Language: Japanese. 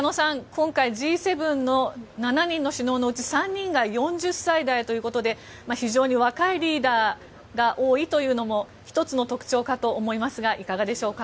今回、Ｇ７の７人の首脳のうち３人が４０歳代ということで非常に若いリーダーが多いというのも１つの特徴かと思いますがいかがでしょうか。